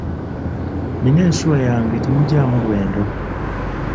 Nnina ensuwa yange temugyamu lwendo.